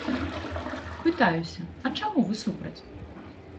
Пытаюся, а чаму вы супраць?